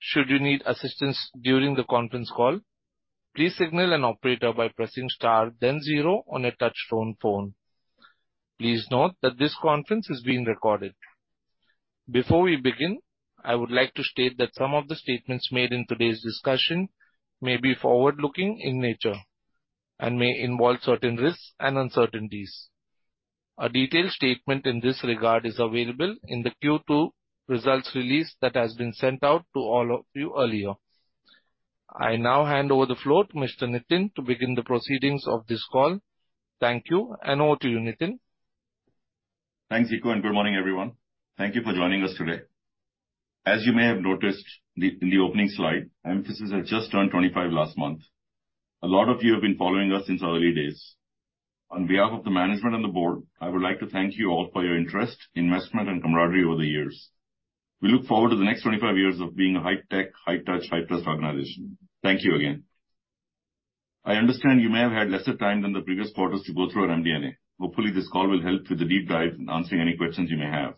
Please note that this conference is being recorded. Before we begin, I would like to state that some of the statements made in today's discussion may be forward-looking in nature and may involve certain risks and uncertainties. A detailed statement in this regard is available in the Q2 results release that has been sent out to all of you earlier. I now hand over the floor to Mr. Nitin to begin the proceedings of this call. Thank you, and over to you, Nitin. Thanks Ziko, and good morning, everyone. Thank you for joining us today. As you may have noticed in the opening slide, Mphasis has just turned 25 last month. A lot of you have been following us since our early days. On behalf of the management and the board, I would like to thank you all for your interest, investment, and camaraderie over the years. We look forward to the next 25 years of being a high-tech, high-touch, high-trust organization. Thank you again. I understand you may have had lesser time than the previous quarters to go through our MD&A. Hopefully, this call will help with the deep dive and answering any questions you may have.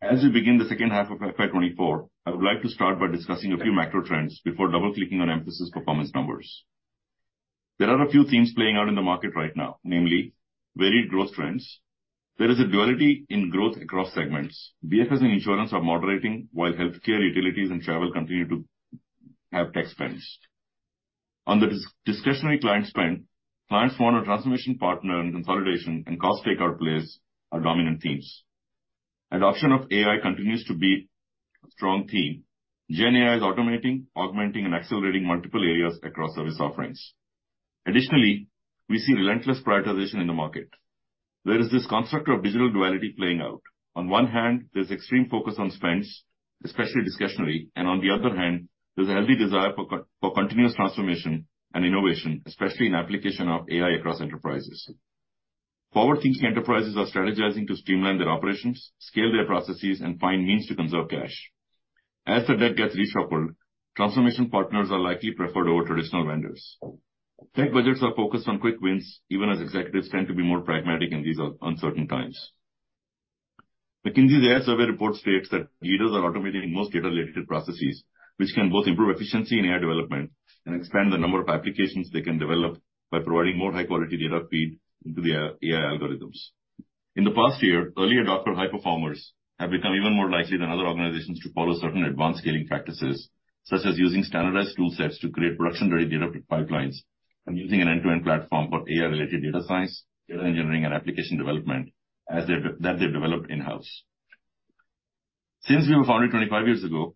As we begin the second half of FY 2024, I would like to start by discussing a few macro trends before double-clicking on Mphasis performance numbers. There are a few themes playing out in the market right now, namely, varied growth trends. There is a duality in growth across segments. BFS and insurance are moderating, while healthcare, utilities, and travel continue to have tech spends. On the discretionary client spend, clients want a transformation partner, and consolidation and cost takeout plays are dominant themes. Adoption of AI continues to be a strong theme. Gen AI is automating, augmenting, and accelerating multiple areas across service offerings. Additionally, we see relentless prioritization in the market. There is this construct of digital duality playing out. On one hand, there's extreme focus on spends, especially discretionary, and on the other hand, there's a healthy desire for continuous transformation and innovation, especially in application of AI across enterprises. Forward-thinking enterprises are strategizing to streamline their operations, scale their processes, and find means to conserve cash. As the debt gets reshuffled, transformation partners are likely preferred over traditional vendors. Tech budgets are focused on quick wins, even as executives tend to be more pragmatic in these uncertain times. McKinsey's AI survey report states that leaders are automating most data-related processes, which can both improve efficiency in AI development and expand the number of applications they can develop by providing more high-quality data feed into their AI algorithms. In the past year, early adopter high performers have become even more likely than other organizations to follow certain advanced scaling practices, such as using standardized toolsets to create production-ready data pipelines and using an end-to-end platform for AI-related data science, data engineering, and application development that they've developed in-house. Since we were founded 25 years ago,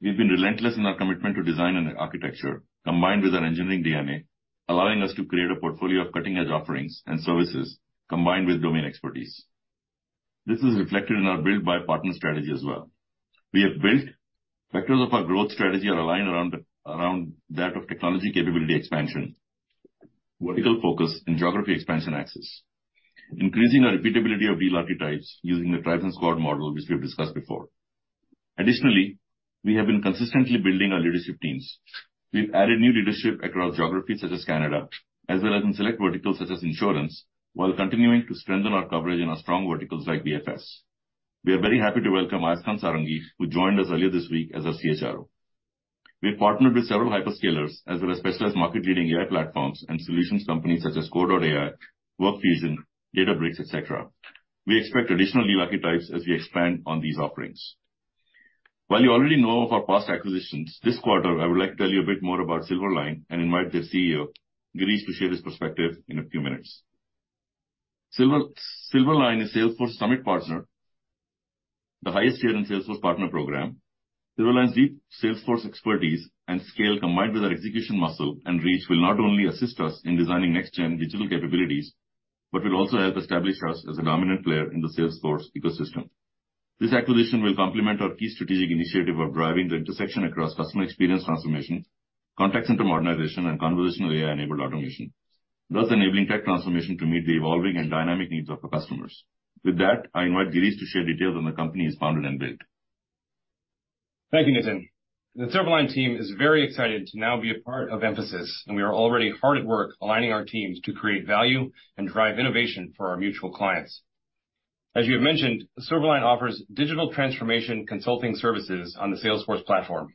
we've been relentless in our commitment to design and architecture, combined with our engineering DNA, allowing us to create a portfolio of cutting-edge offerings and services combined with domain expertise. This is reflected in our build-buy-partner strategy as well. Factors of our growth strategy are aligned around that of technology capability expansion, vertical focus, and geography expansion axis, increasing our repeatability of deal archetypes using the tribe and squad model, which we've discussed before. Additionally, we have been consistently building our leadership teams. We've added new leadership across geographies such as Canada, as well as in select verticals such as insurance, while continuing to strengthen our coverage in our strong verticals like BFS. We are very happy to welcome Ayaskant Sarangi, who joined us earlier this week as our CHRO. We've partnered with several hyperscalers as well as specialized market-leading AI platforms and solutions companies such as Kore.ai, WorkFusion, Databricks, et cetera. We expect additional deal archetypes as we expand on these offerings. While you already know of our past acquisitions, this quarter, I would like to tell you a bit more about Silverline and invite their CEO, Gireesh, to share his perspective in a few minutes. Silverline is Salesforce Summit partner, the highest tier in Salesforce Partner Program. Silverline's deep Salesforce expertise and scale, combined with our execution muscle and reach, will not only assist us in designing next-gen digital capabilities, but will also help establish us as a dominant player in the Salesforce ecosystem. This acquisition will complement our key strategic initiative of driving the intersection across customer experience transformation, contact center modernization, and conversational AI-enabled automation, thus enabling tech transformation to meet the evolving and dynamic needs of our customers. With that, I invite Gireesh to share details on the company he's founded and built. Thank you, Nitin. The Silverline team is very excited to now be a part of Mphasis, and we are already hard at work aligning our teams to create value and drive innovation for our mutual clients. As you have mentioned, Silverline offers digital transformation consulting services on the Salesforce platform.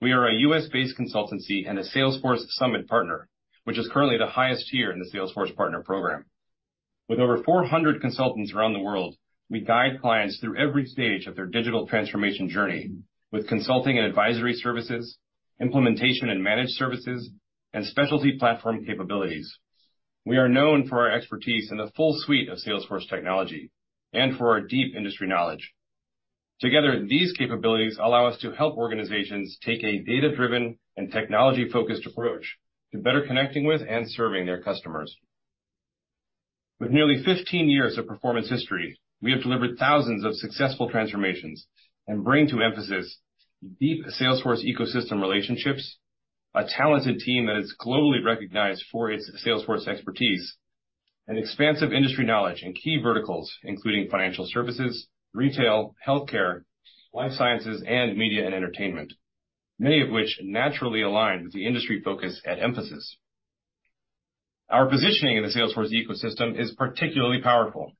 We are a U.S.-based consultancy and a Salesforce Summit partner, which is currently the highest tier in the Salesforce partner program. With over 400 consultants around the world, we guide clients through every stage of their digital transformation journey with consulting and advisory services, implementation and managed services, and specialty platform capabilities. We are known for our expertise in the full suite of Salesforce technology and for our deep industry knowledge. Together, these capabilities allow us to help organizations take a data-driven and technology-focused approach to better connecting with and serving their customers. With nearly 15 years of performance history, we have delivered thousands of successful transformations and bring to Mphasis deep Salesforce ecosystem relationships, a talented team that is globally recognized for its Salesforce expertise, and expansive industry knowledge in key verticals, including financial services, retail, healthcare, life sciences, and media and entertainment, many of which naturally align with the industry focus at Mphasis. Our positioning in the Salesforce ecosystem is particularly powerful.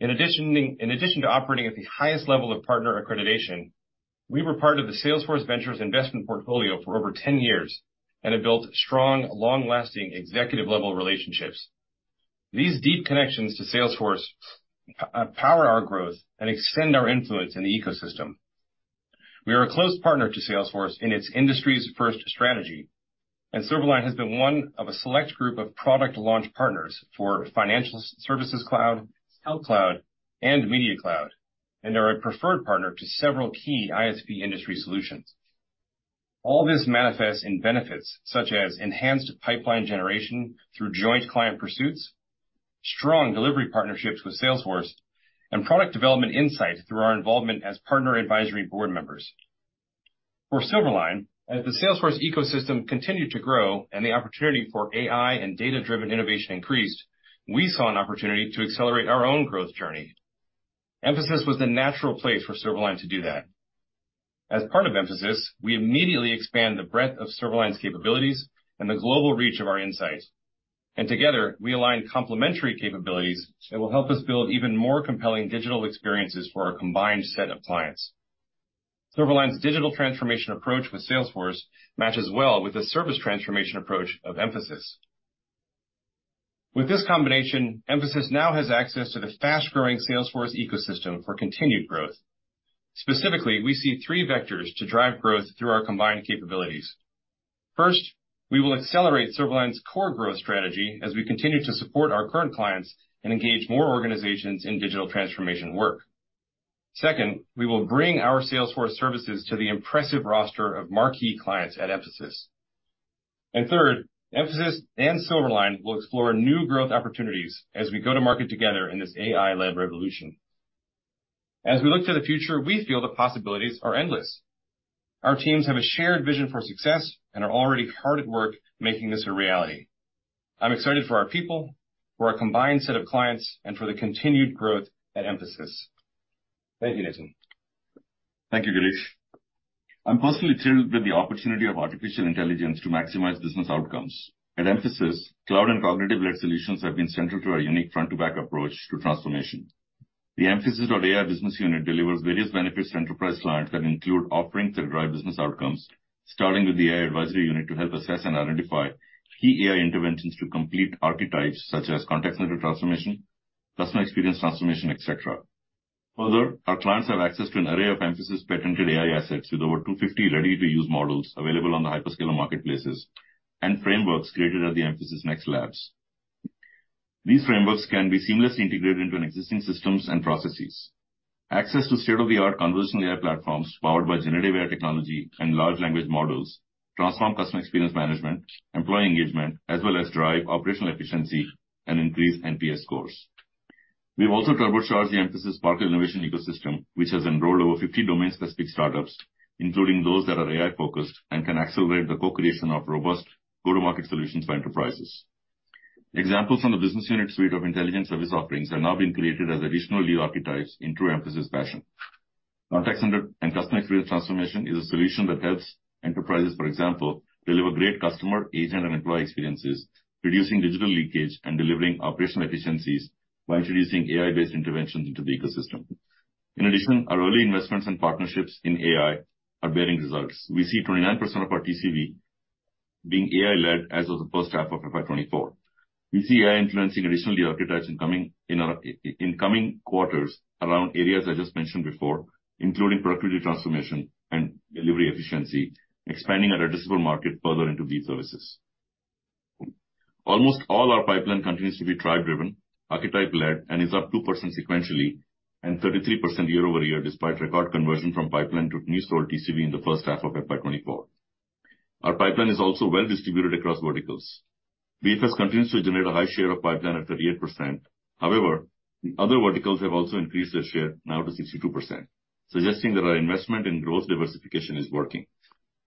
In addition to operating at the highest level of partner accreditation, we were part of the Salesforce Ventures investment portfolio for over 10 years and have built strong, long-lasting executive-level relationships. These deep connections to Salesforce power our growth and extend our influence in the ecosystem. We are a close partner to Salesforce in its industry's first strategy, and Silverline has been one of a select group of product launch partners for Financial Services Cloud, Health Cloud, and Media Cloud, and are a preferred partner to several key ISV industry solutions. All this manifests in benefits such as enhanced pipeline generation through joint client pursuits, strong delivery partnerships with Salesforce, and product development insight through our involvement as Partner Advisory Board members. For Silverline, as the Salesforce ecosystem continued to grow and the opportunity for AI and data-driven innovation increased, we saw an opportunity to accelerate our own growth journey. Mphasis was the natural place for Silverline to do that. As part of Mphasis, we immediately expand the breadth of Silverline's capabilities and the global reach of our insights, and together, we align complementary capabilities that will help us build even more compelling digital experiences for our combined set of clients. Silverline's digital transformation approach with Salesforce matches well with the service transformation approach of Mphasis. With this combination, Mphasis now has access to the fast-growing Salesforce ecosystem for continued growth. Specifically, we see three vectors to drive growth through our combined capabilities. First, we will accelerate Silverline's core growth strategy as we continue to support our current clients and engage more organizations in digital transformation work. Second, we will bring our Salesforce services to the impressive roster of marquee clients at Mphasis. Third, Mphasis and Silverline will explore new growth opportunities as we go to market together in this AI-led revolution. As we look to the future, we feel the possibilities are endless. Our teams have a shared vision for success and are already hard at work making this a reality. I'm excited for our people, for our combined set of clients, and for the continued growth at Mphasis. Thank you, Nitin. Thank you, Gireesh. I'm personally thrilled with the opportunity of artificial intelligence to maximize business outcomes. At Mphasis, cloud and cognitive-led solutions have been central to our unique Front2Back approach to transformation. The Mphasis.ai business unit delivers various benefits to enterprise clients that include offerings that drive business outcomes, starting with the AI advisory unit to help assess and identify key AI interventions through complete archetypes such as contact center transformation, customer experience transformation, et cetera. Further, our clients have access to an array of Mphasis' patented AI assets, with over 250 ready-to-use models available on the hyperscaler marketplaces and frameworks created at the Mphasis Next Labs. These frameworks can be seamlessly integrated into an existing systems and processes. Access to state-of-the-art conversational AI platforms, powered by Generative AI technology and large language models, transform customer experience management, employee engagement, as well as drive operational efficiency and increase NPS scores. We've also turbocharged the Mphasis partner innovation ecosystem, which has enrolled over 50 domain-specific startups, including those that are AI-focused and can accelerate the co-creation of robust go-to-market solutions for enterprises. Examples from the business unit suite of intelligent service offerings have now been created as additional new archetypes in true Mphasis fashion. Contact center and customer experience transformation is a solution that helps enterprises, for example, deliver great customer, agent, and employee experiences, reducing digital leakage and delivering operational efficiencies by introducing AI-based interventions into the ecosystem. In addition, our early investments and partnerships in AI are bearing results. We see 29% of our TCV being AI-led as of the first half of FY 2024. into these services. Almost all our pipeline continues to be deal-driven, archetype-led, and is up 2% sequentially and 33% year-over-year, despite record conversion from pipeline to new TCV in the first half of FY 2024. Our pipeline is also well distributed across verticals. BFS continues to generate a high share of pipeline at 38%. However, the other verticals have also increased their share now to 62%, suggesting that our investment in growth diversification is working.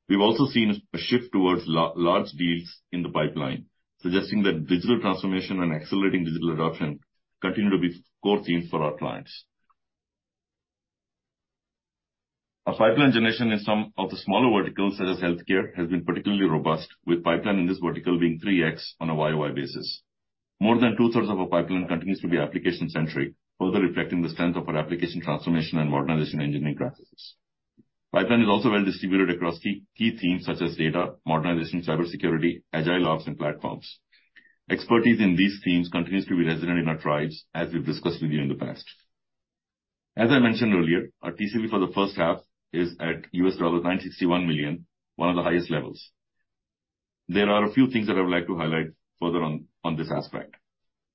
We've also seen a shift towards large deals in the pipeline, suggesting that digital transformation and accelerating digital adoption continue to be core themes for our clients. Our pipeline generation in some of the smaller verticals, such as healthcare, has been particularly robust, with pipeline in this vertical being 3x on a YoY basis. More than two-thirds of our pipeline continues to be application-centric, further reflecting the strength of our application transformation and modernization engineering practices. Pipeline is also well distributed across key themes such as data, modernization, cybersecurity, agile ops, and platforms. Expertise in these themes continues to be resonant in our Tribes, as we've discussed with you in the past. As I mentioned earlier, our TCV for the first half is at $961 million, one of the highest levels. There are a few things that I would like to highlight further on this aspect.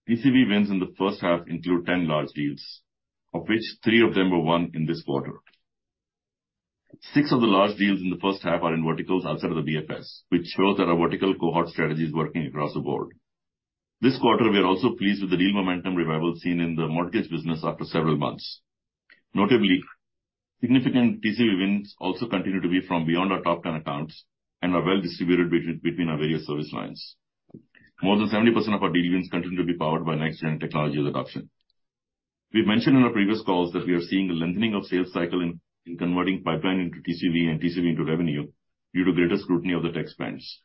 TCV wins in the first half include 10 large deals, of which three of them were won in this quarter. Six of the large deals in the first half are in verticals outside of the BFS, which shows that our vertical cohort strategy is working across the board. This quarter, we are also pleased with the deal momentum revival seen in the mortgage business after several months. Notably, significant TCV wins also continue to be from beyond our top 10 accounts and are well distributed between our various service lines. More than 70% of our deal wins continue to be powered by next-gen technology adoption. We've mentioned in our previous calls that we are seeing a lengthening of sales cycle in converting pipeline into TCV and TCV into revenue due to greater scrutiny of the tech spends.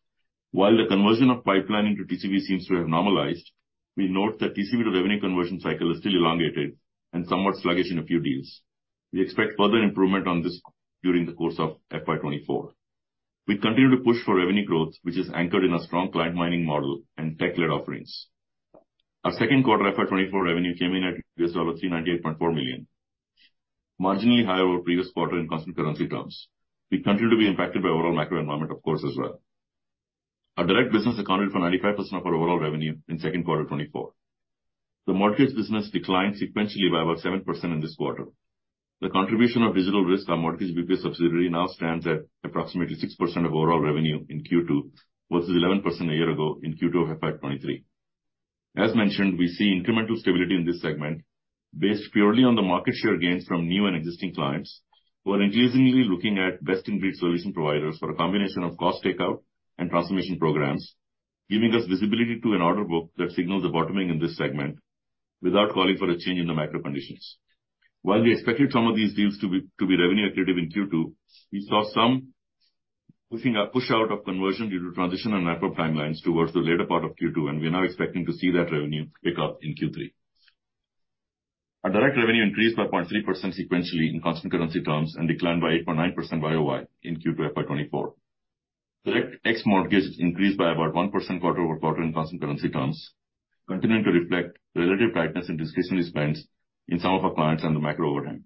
While the conversion of pipeline into TCV seems to have normalized, we note that TCV to revenue conversion cycle is still elongated and somewhat sluggish in a few deals. We expect further improvement on this during the course of FY 2024. We continue to push for revenue growth, which is anchored in a strong client mining model and tech-led offerings. Our second quarter FY 2024 revenue came in at $398.4 million, marginally higher over previous quarter in constant currency terms. We continue to be impacted by overall macro environment, of course, as well. Our direct business accounted for 95% of our overall revenue in second quarter 2024. The mortgage business declined sequentially by about 7% in this quarter. The contribution of Digital Risk, our mortgage BPS subsidiary, now stands at approximately 6% of overall revenue in Q2, versus 11% a year ago in Q2 of FY 2023. As mentioned, we see incremental stability in this segment based purely on the market share gains from new and existing clients, who are increasingly looking at best-in-breed solution providers for a combination of cost takeout and transformation programs, giving us visibility to an order book that signals a bottoming in this segment without calling for a change in the macro conditions. While we expected some of these deals to be revenue accretive in Q2, we saw some push out of conversion due to transition and macro timelines towards the latter part of Q2, and we are now expecting to see that revenue pick up in Q3. Our direct revenue increased by 0.3% sequentially in constant currency terms, and declined by 8.9% YoY in Q2 FY2024. Direct ex-mortgage increased by about 1% quarter-over-quarter in constant currency terms, continuing to reflect the relative tightness in discretionary spends in some of our clients on the macro overhang.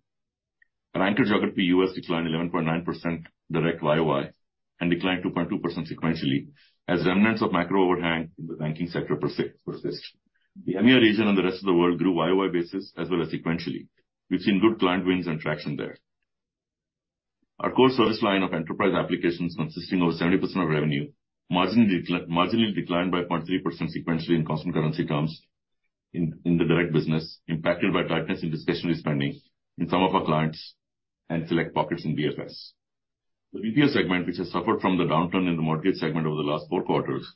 Our anchor geography, U.S., declined 11.9% direct YoY and declined 2.2% sequentially, as remnants of macro overhang in the banking sector persist. The EMEA region and the rest of the world grew YoY basis as well as sequentially. We've seen good client wins and traction there. Our core service line of enterprise applications, consisting of 70% of revenue, marginally declined by 0.3% sequentially in constant currency terms in the direct business, impacted by tightness in discretionary spending in some of our clients and select pockets in BFS. The BPS segment, which has suffered from the downturn in the mortgage segment over the last four quarters,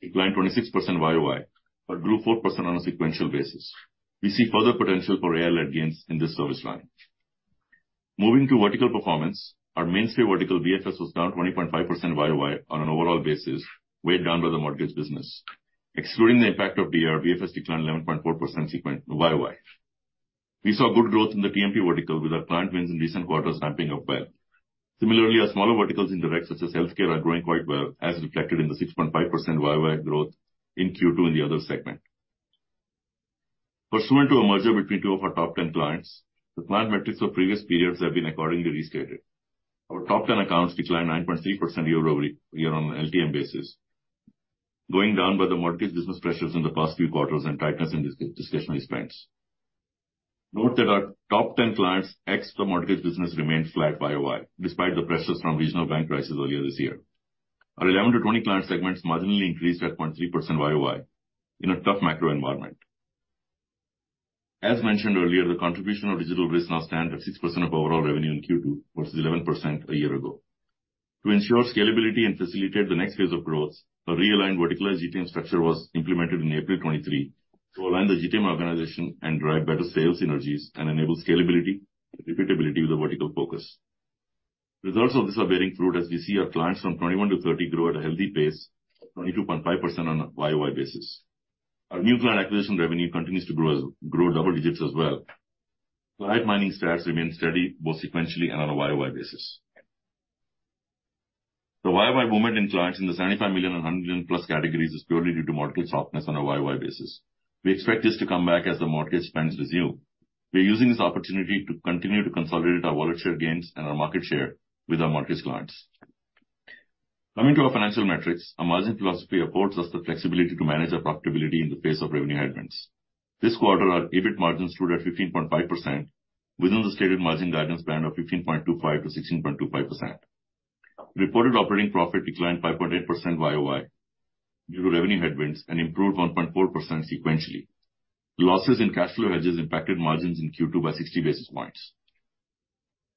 declined 26% YoY, but grew 4% on a sequential basis. We see further potential for real gains in this service line. Moving to vertical performance, our mainstay vertical, BFS, was down 20.5% YoY on an overall basis, weighed down by the mortgage business. Excluding the impact of DR., BFS declined 11.4% YoY. We saw good growth in the TMP vertical, with our client wins in recent quarters ramping up well. Similarly, our smaller verticals in direct, such as healthcare, are growing quite well, as reflected in the 6.5% YoY growth in Q2 in the other segment. Pursuant to a merger between two of our top 10 clients, the client metrics of previous periods have been accordingly restated. Our top 10 accounts declined 9.3% year-over-year on an LTM basis, going down by the mortgage business pressures in the past few quarters and tightness in discretionary spends. Note that our top 10 clients, ex the mortgage business, remained flat YoY, despite the pressures from regional bank crisis earlier this year. Our 11 to 20 client segments marginally increased at 0.3% YoY in a tough macro environment. As mentioned earlier, the contribution of Digital Risk now stands at 6% of overall revenue in Q2 versus 11% a year ago. To ensure scalability and facilitate the next phase of growth, a realigned vertical GTM structure was implemented in April 2023 to align the GTM organization and drive better sales synergies and enable scalability and repeatability with a vertical focus. Results of this are bearing fruit as we see our clients from 21 to 30 grow at a healthy pace, 22.5% on a YOY basis. Our new client acquisition revenue continues to grow double digits as well. Client mining stats remain steady, both sequentially and on a YoY basis. The YoY movement in clients in the $75 million and $100 million+ categories is purely due to mortgage softness on a YoY basis. We expect this to come back as the mortgage spends resume. We are using this opportunity to continue to consolidate our wallet share gains and our market share with our mortgage clients. Coming to our financial metrics, our margin philosophy affords us the flexibility to manage our profitability in the face of revenue headwinds. This quarter, our EBIT margins stood at 15.5%, within the stated margin guidance band of 15.25%-16.25%. Reported operating profit declined 5.8% YoY due to revenue headwinds and improved 1.4% sequentially. Losses in cash flow hedges impacted margins in Q2 by 60 basis points.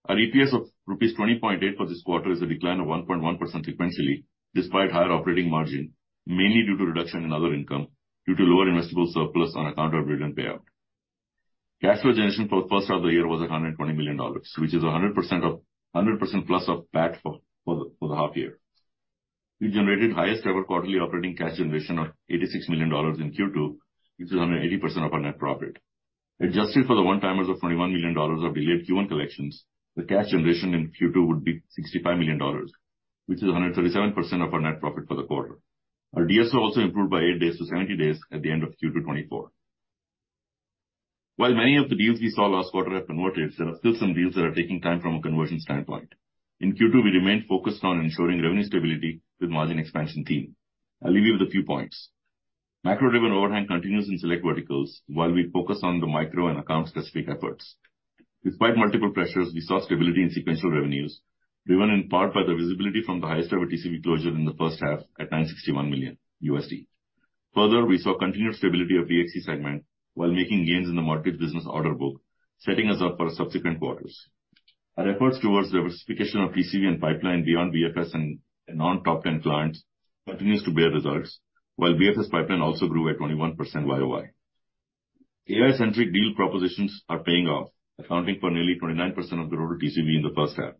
Our EPS of rupees 20.8 for this quarter is a decline of 1.1% sequentially, despite higher operating margin, mainly due to reduction in other income due to lower investable surplus on account of dividend payout. Cash flow generation for the first half of the year was at $120 million, which is 100%+ of PAT for the half year. We generated highest ever quarterly operating cash generation of $86 million in Q2, which is 180% of our net profit. Adjusted for the one-timers of $21 million of delayed Q1 collections, the cash generation in Q2 would be $65 million, which is 137% of our net profit for the quarter. Our DSO also improved by eight days to 70 days at the end of Q2 2024. While many of the deals we saw last quarter have converted, there are still some deals that are taking time from a conversion standpoint. In Q2, we remained focused on ensuring revenue stability with margin expansion theme. I'll leave you with a few points. Macro-driven overhang continues in select verticals, while we focus on the micro and account-specific efforts. Despite multiple pressures, we saw stability in sequential revenues, driven in part by the visibility from the highest ever TCV closure in the first half at $961 million. Further, we saw continued stability of DXC segment while making gains in the mortgage business order book, setting us up for subsequent quarters. Our efforts towards diversification of TCV and pipeline beyond BFS and non-top 10 clients continues to bear results, while BFS pipeline also grew at 21% YoY. AI-centric deal propositions are paying off, accounting for nearly 29% of the total TCV in the first half,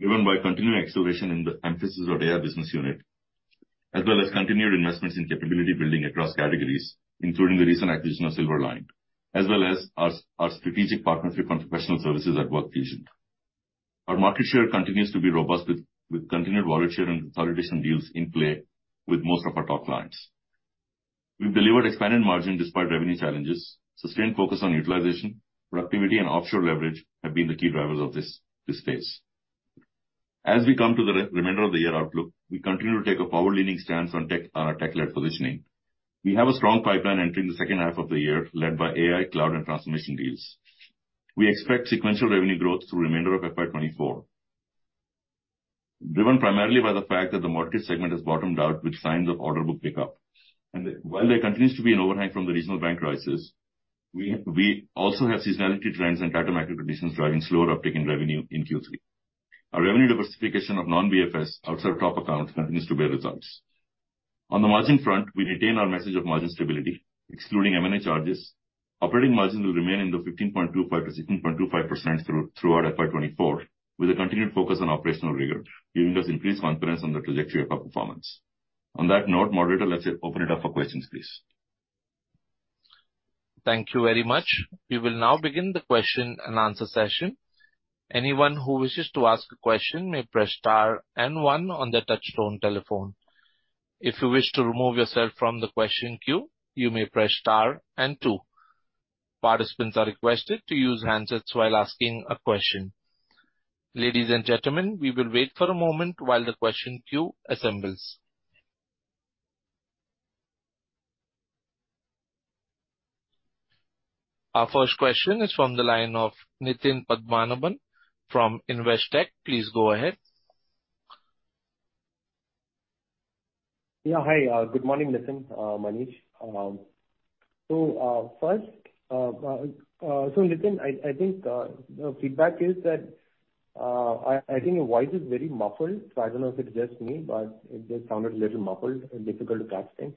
driven by continued acceleration in the Mphasis.ai business unit, as well as continued investments in capability building across categories, including the recent acquisition of Silverline, as well as our strategic partnership on professional services at WorkFusion. Our market share continues to be robust with continued market share and consolidation deals in play with most of our top clients. We've delivered expanded margin despite revenue challenges. Sustained focus on utilization, productivity, and offshore leverage have been the key drivers of this phase. As we come to the remainder of the year outlook, we continue to take a forward-leaning stance on tech, on our tech-led positioning. We have a strong pipeline entering the second half of the year, led by AI, Cloud, and transformation deals. We expect sequential revenue growth through remainder of FY 2024, driven primarily by the fact that the mortgage segment has bottomed out with signs of order book pickup. While there continues to be an overhang from the regional bank crisis, we also have seasonality trends and macro conditions driving slower uptick in revenue in Q3. Thank you very much. We will now begin the question and answer session. Anyone who wishes to ask a question may press star and one on their touch-tone telephone. If you wish to remove yourself from the question queue, you may press star and two. Participants are requested to use handsets while asking a question. Ladies and gentlemen, we will wait for a moment while the question queue assembles. Our first question is from the line of Nitin Padmanabhan from Investec. Please go ahead. Yeah. Hi, good morning, Nitin, Manish. First, so Nitin, I think the feedback is that I think your voice is very muffled, so I don't know if it's just me, but it just sounded a little muffled and difficult to catch things.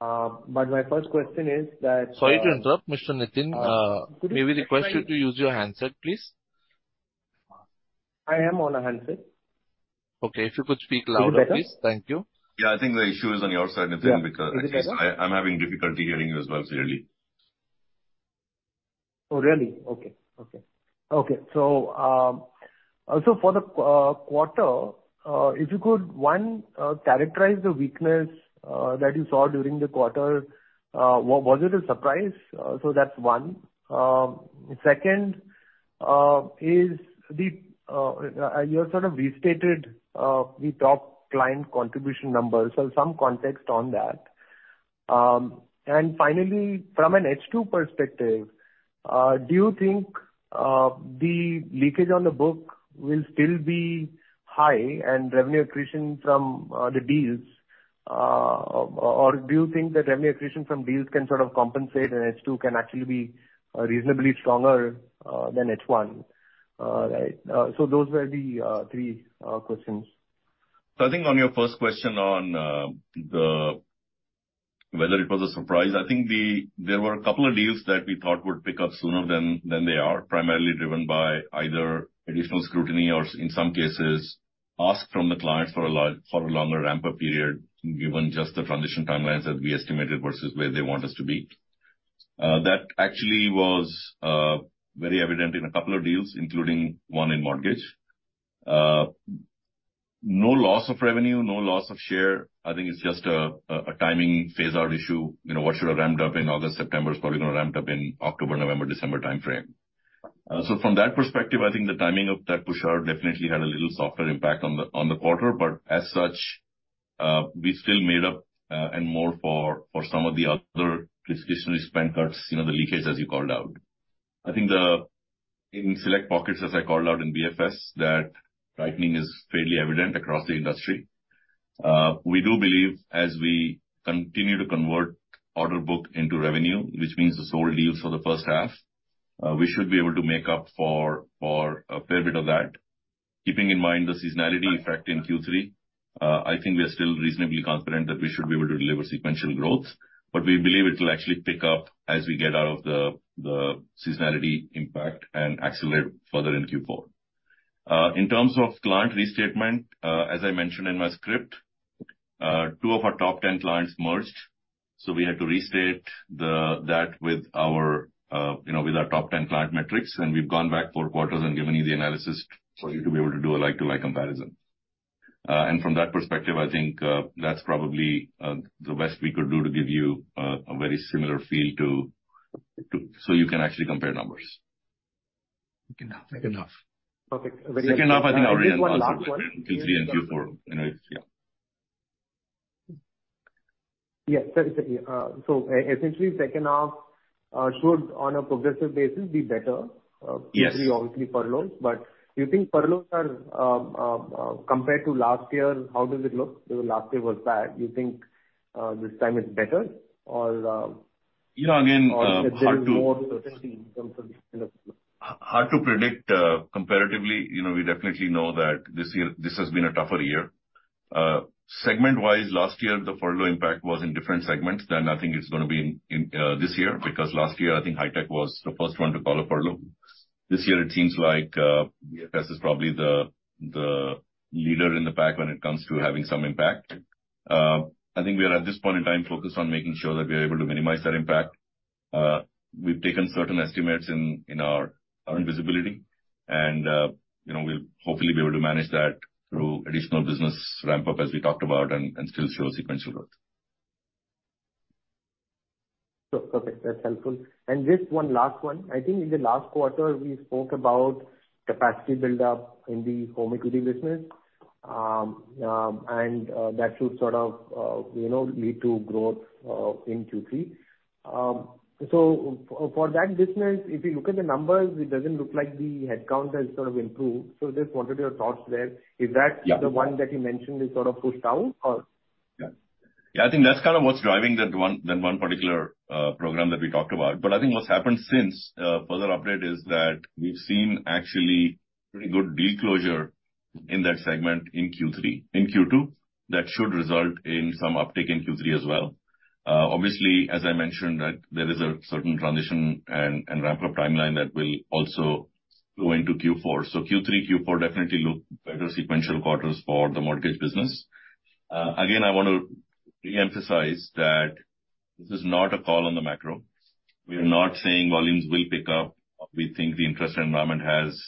My first question is that- Sorry to interrupt, Mr. Nitin. May we request you to use your handset, please? I am on a handset. Okay. If you could speak louder, please. Is it better? Thank you. Yeah, I think the issue is on your side, Nitin. Yeah. Because I- Is it better? I'm having difficulty hearing you as well, clearly. Oh, really? Okay. Okay. Okay, for the quarter, if you could, one, characterize the weakness that you saw during the quarter. Was it a surprise? So that's one. Second is the... you have sort of restated the top client contribution numbers or some context on that. Finally, from an H2 perspective, do you think the leakage on the book will still be high and revenue accretion from the deals... or do you think the revenue accretion from deals can sort of compensate, and H2 can actually be reasonably stronger than H1? Right. So those were the three questions. I think on your first question on whether it was a surprise, I think there were a couple of deals that we thought would pick up sooner than they are, primarily driven by either additional scrutiny or, in some cases, ask from the client for a longer ramp-up period, given just the transition timelines that we estimated versus where they want us to be. That actually was very evident in a couple of deals, including one in mortgage. No loss of revenue, no loss of share. I think it's just a timing phase-out issue. You know, what should have ramped up in August, September, is probably gonna ramp up in October, November, December timeframe. From that perspective, I think the timing of that push out definitely had a little softer impact on the quarter. As such, we still made up and more for some of the other discretionary spend cuts, you know, the leakage, as you called out. I think in select pockets, as I called out in BFS, that tightening is fairly evident across the industry. We do believe as we continue to convert order book into revenue, which means the slower deals for the first half, we should be able to make up for a fair bit of that. Keeping in mind the seasonality effect in Q3, I think we are still reasonably confident that we should be able to deliver sequential growth, but we believe it will actually pick up as we get out of the seasonality impact and accelerate further into Q4. In terms of client restatement, as I mentioned in my script, two of our top 10 clients merged, so we had to restate that with our, you know, with our top 10 client metrics, and we've gone back four quarters and given you the analysis for you to be able to do a like-to-like comparison. From that perspective, I think that's probably the best we could do to give you a very similar feel so you can actually compare numbers. Second half. Okay. Second half, I think, are in Q3 and Q4, you know? Yeah. Yes. Essentially, second half should, on a progressive basis, be better. Yes. Obviously, furloughs. You think furloughs are, compared to last year, how does it look? Because last year was bad. You think this time it's better, or? You know, again, hard to. Or more in terms of, you know. Hard to predict, comparatively. You know, we definitely know that this year, this has been a tougher year. Segment-wise, last year, the furlough impact was in different segments than I think it's gonna be in this year. Because last year, I think high-tech was the first one to call a furlough. This year, it seems like BFS is probably the leader in the pack when it comes to having some impact. I think we are, at this point in time, focused on making sure that we are able to minimize that impact. We've taken certain estimates in our own visibility, and, you know, we'll hopefully be able to manage that through additional business ramp-up, as we talked about, and still show sequential growth. Sure. Okay, that's helpful. This one, last one. I think in the last quarter, we spoke about capacity buildup in the home equity business. That should sort of, you know, lead to growth in Q3. For that business, if you look at the numbers, it doesn't look like the headcount has sort of improved. Just wanted your thoughts there. Yeah. The one that you mentioned is sort of pushed down, or? Yeah. Yeah, I think that's kind of what's driving that one particular program that we talked about. I think what's happened since further update is that we've seen actually pretty good deal closure in that segment in Q3... In Q2, that should result in some uptick in Q3 as well. Obviously, as I mentioned, that there is a certain transition and ramp-up timeline that will also go into Q4. Q3, Q4 definitely look better sequential quarters for the mortgage business. Again, I want to reemphasize that this is not a call on the macro. We are not saying volumes will pick up. We think the interest environment has,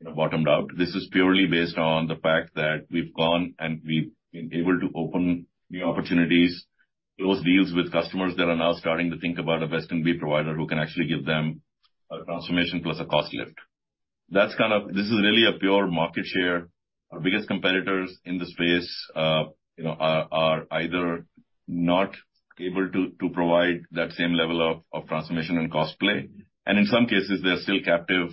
you know, bottomed out. This is purely based on the fact that we've gone and we've been able to open new opportunities, close deals with customers that are now starting to think about a best-in-breed provider who can actually give them a transformation plus a cost lift. This is really a pure market share. Our biggest competitors in the space, you know, are either not able to provide that same level of transformation and cost play, and in some cases, they're still captive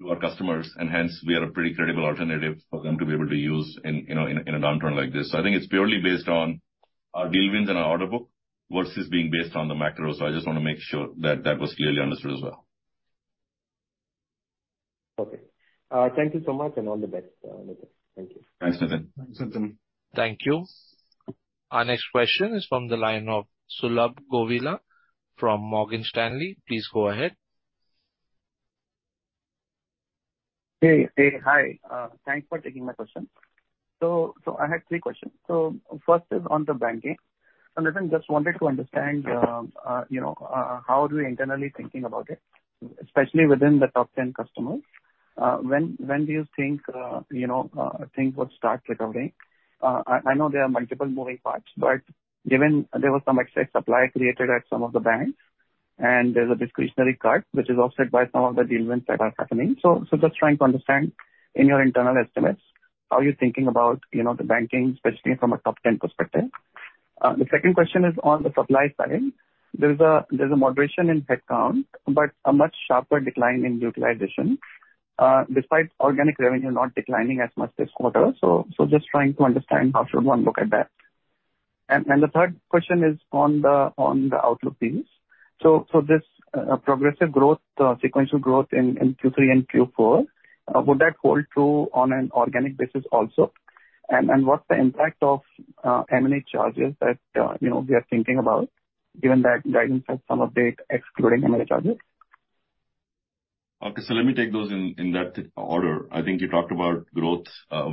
to our customers, and hence, we are a pretty credible alternative for them to be able to use in, you know, in a downturn like this. I think it's purely based on our deal wins and our order book versus being based on the macro. I just want to make sure that that was clearly understood as well. Okay. Thank you so much, and all the best, Nitin. Thank you. Thanks, Nitin. Thanks, Nitin. Thank you. Our next question is from the line of Sulabh Govila from Morgan Stanley. Please go ahead. Hey, hey. Hi, thanks for taking my question. I had three questions. First is on the banking. Nitin, just wanted to understand, you know, how are we internally thinking about it, especially within the top 10 customers? When do you think, you know, things would start recovering? I know there are multiple moving parts, but given there was some excess supply created at some of the banks, and there's a discretionary cut which is offset by some of the deal wins that are happening. Just trying to understand, in your internal estimates, how you're thinking about, you know, the banking, especially from a top-down perspective. The second question is on the supply side. There's a moderation in headcount, but a much sharper decline in utilization despite organic revenue not declining as much this quarter. Just trying to understand, how should one look at that? The third question is on the outlook piece. This progressive growth, sequential growth in Q3 and Q4, would that hold true on an organic basis also? What's the impact of M&A charges that, you know, we are thinking about, given that guidance has some of it excluding M&A charges? Okay, let me take those in that order. I think you talked about growth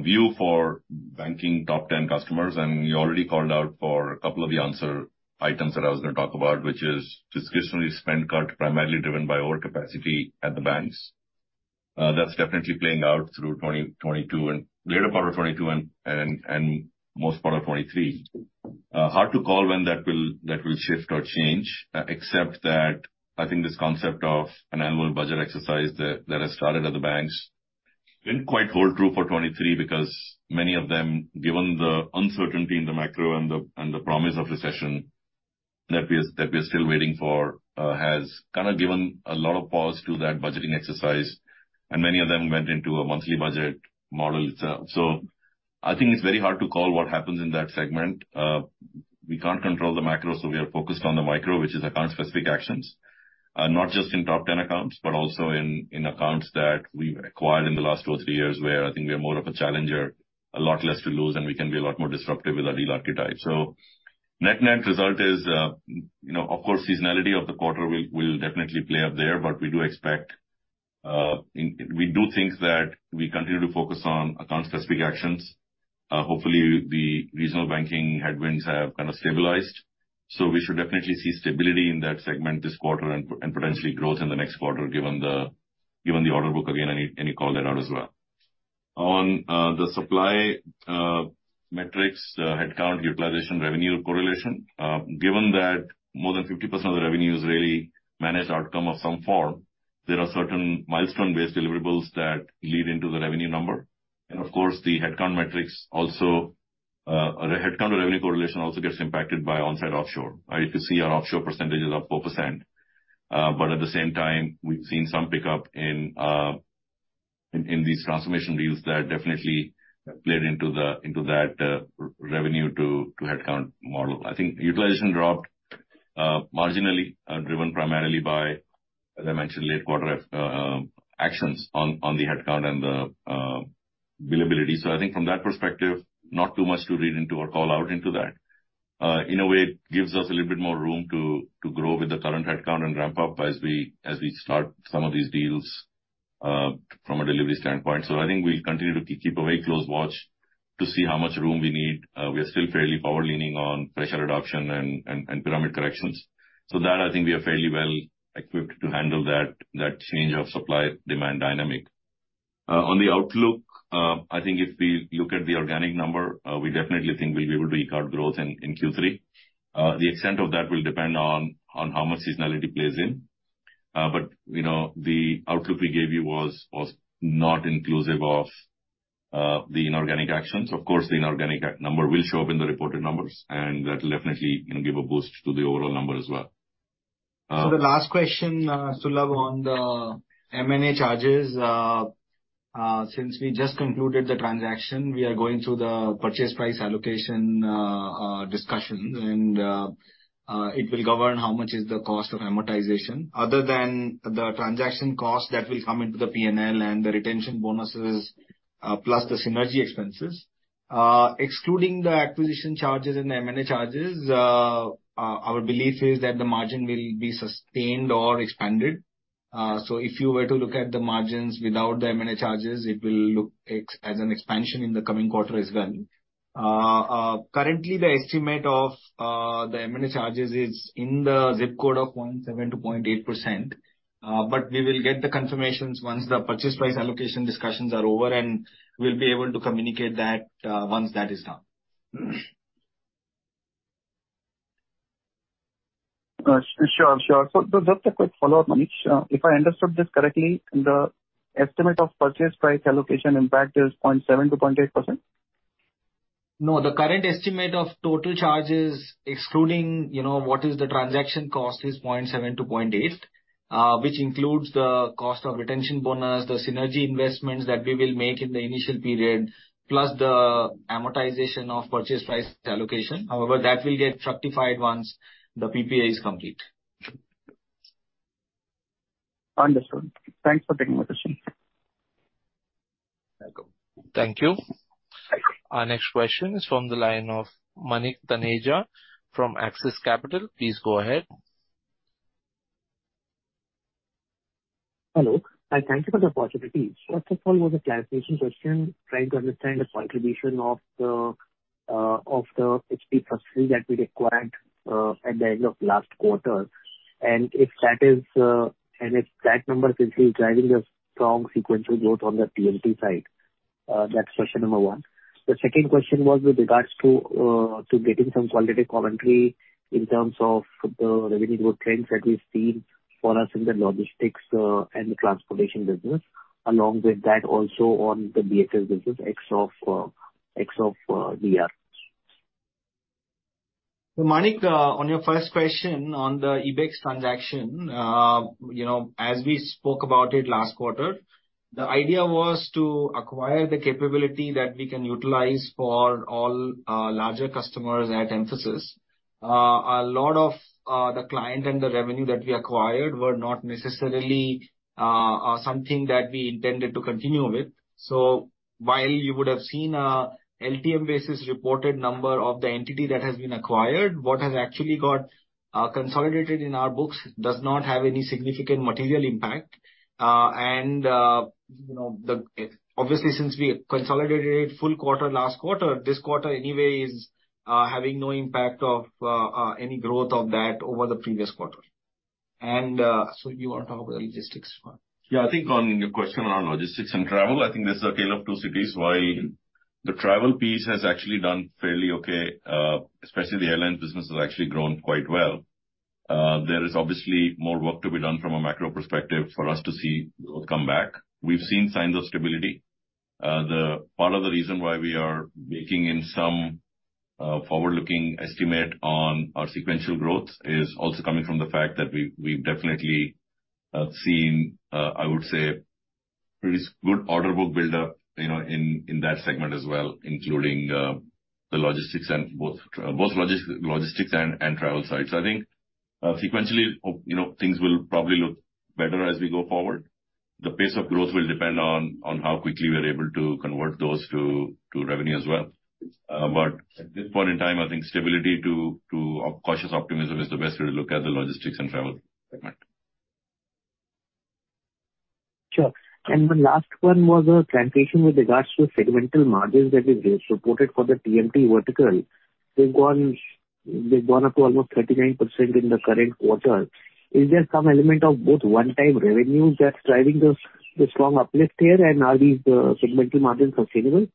view for banking top 10 customers, and you already called out for a couple of the answer items that I was gonna talk about, which is discretionary spend cut, primarily driven by overcapacity at the banks. That's definitely playing out through 2022 and later part of 2022 and most part of 2023. Hard to call when that will shift or change, except that I think this concept of an annual budget exercise that has started at the banks didn't quite hold true for 2023, because many of them, given the uncertainty in the macro and the promise of recession that we are still waiting for, has kind of given a lot of pause to that budgeting exercise, and many of them went into a monthly budget model itself. I think it's very hard to call what happens in that segment. We can't control the macro, so we are focused on the micro, which is account-specific actions, not just in top 10 accounts, but also in accounts that we've acquired in the last two or three years, where I think we are more of a challenger, a lot less to lose, and we can be a lot more disruptive with our deal archetype. Net-net result is, you know, of course, seasonality of the quarter will definitely play up there, but we do expect, we do think that we continue to focus on account-specific actions. Hopefully, the regional banking headwinds have kind of stabilized, so we should definitely see stability in that segment this quarter and potentially growth in the next quarter, given the order book again, and any call that out as well. On the supply metrics, headcount, utilization, revenue correlation, given that more than 50% of the revenue is really managed outcome of some form, there are certain milestone-based deliverables that lead into the revenue number. Of course, the headcount metrics also, the headcount to revenue correlation also gets impacted by on-site offshore. You can see our offshore percentage is up 4%. At the same time, we've seen some pickup in these transformation deals that definitely played into that revenue to headcount model. I think utilization dropped marginally, driven primarily by, as I mentioned, late quarter actions on the headcount and the billability. I think from that perspective, not too much to read into or call out into that. In a way, it gives us a little bit more room to grow with the current headcount and ramp up as we start some of these deals from a delivery standpoint. I think we'll continue to keep a very close watch to see how much room we need. We are still fairly forward-leaning on pressure reduction and pyramid corrections. I think we are fairly well equipped to handle that change of supply-demand dynamic. On the outlook, I think if we look at the organic number, we definitely think we'll be able to record growth in Q3. The extent of that will depend on how much seasonality plays in. You know, the outlook we gave you was not inclusive of the inorganic actions. Of course, the inorganic number will show up in the reported numbers, and that will definitely, you know, give a boost to the overall number as well. Wait, "The last question, Sulabh, on the M&A charges. Since we just concluded the transaction, we are going through the purchase price allocation discussion, and it will govern how much is the cost of amortization. Other than the transaction cost, that will come into the P&L and the retention bonuses plus the synergy expenses. Excluding the acquisition charges and the M&A charges, our belief is that the margin will be sustained or expanded. If you were to look at the margins without the M&A charges, it will look as an expansion in the coming quarter as well. Currently, the estimate of the M&A charges. We will get the confirmations once the Purchase Price Allocation discussions are over, and we'll be able to communicate that once that is done. Sure, sure. Just a quick follow-up, Manish. If I understood this correctly, the estimate of purchase price allocation impact is 0.7%-0.8%? No, the current estimate of total charges, excluding, you know, what is the transaction cost, is 0.7-0.8, which includes the cost of retention bonus, the synergy investments that we will make in the initial period, plus the amortization of Purchase Price Allocation. However, that will get fructified once the PPA is complete. Understood. Thanks for taking my question. Welcome. Thank you. Thank you. Our next question is from the line of Manik Taneja from Axis Capital. Please go ahead. Hello, and thank you for the opportunity. First of all, was a clarification question, trying to understand the contribution of the Silverline that we acquired at the end of last quarter. And if that number is actually driving a strong sequential growth on the TMT side. That's question number one. The second question was with regards to getting some qualitative commentary in terms of the revenue growth trends that we've seen for us in the logistics and the transportation business, along with that also on the BFS business, ex of DR. Manik, on your first question on the Blink transaction, you know, as we spoke about it last quarter, the idea was to acquire the capability that we can utilize for all larger customers at Mphasis. A lot of the client and the revenue that we acquired were not necessarily something that we intended to continue with. So while you would have seen a LTM basis reported number of the entity that has been acquired, what has actually got consolidated in our books does not have any significant material impact. Obviously, since we consolidated it full quarter last quarter, this quarter anyway is having no impact of any growth of that over the previous quarter. So you want to talk about the logistics one? Yeah, I think on your question around logistics and travel, I think this is a tale of two cities. While the travel piece has actually done fairly okay, especially the airline business has actually grown quite well, there is obviously more work to be done from a macro perspective for us to see growth come back. We've seen signs of stability. The part of the reason why we are baking in some forward-looking estimate on our sequential growth is also coming from the fact that we've definitely seen, I would say, pretty good order book buildup, you know, in that segment as well, including the logistics and both logistics and travel sites. I think sequentially, you know, things will probably look better as we go forward. The pace of growth will depend on how quickly we are able to convert those to revenue as well. At this point in time, I think stability to cautious optimism is the best way to look at the logistics and travel segment. Sure. My last one was a clarification with regards to segmental margins that is reported for the TMT vertical. They've gone up to almost 39% in the current quarter. Is there some element of both one-time revenue that's driving this strong uplift here? Are these segmental margins sustainable?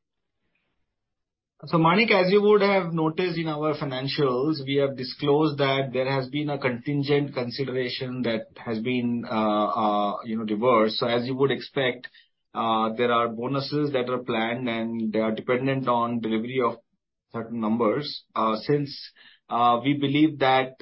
Manik, as you would have noticed in our financials, we have disclosed that there has been a contingent consideration that has been, you know, reversed. As you would expect, there are bonuses that are planned and they are dependent on delivery of certain numbers. Since we believe that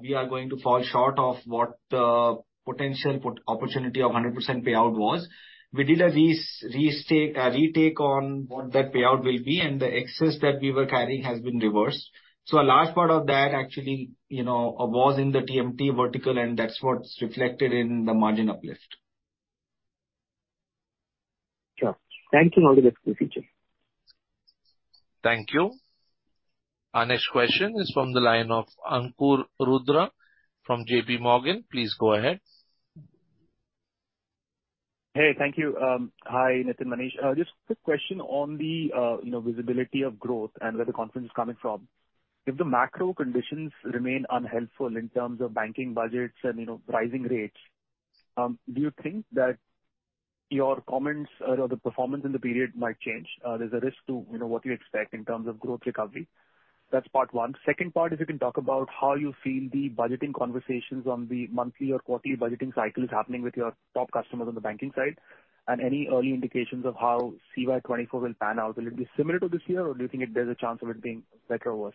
we are going to fall short of what the potential opportunity of 100% payout was, we did a retake on what that payout will be, and the excess that we were carrying has been reversed. A large part of that actually, you know, was in the TMT vertical, and that's what's reflected in the margin uplift. Sure. Thank you. I'll get back to you soon. Thank you. Our next question is from the line of Ankur Rudra, from JPMorgan. Please go ahead. Hey, thank you. Hi, Nitin, Manish. Just a quick question on the, you know, visibility of growth and where the confidence is coming from. If the macro conditions remain unhelpful in terms of banking budgets and, you know, pricing rates, do you think that your comments or the performance in the period might change? There's a risk to, you know, what you expect in terms of growth recovery. That's part one. Second part is you can talk about how you feel the budgeting conversations on the monthly or quarterly budgeting cycle is happening with your top customers on the banking side, and any early indications of how C.Y. 2024 will pan out. Will it be similar to this year, or do you think there's a chance of it being better or worse?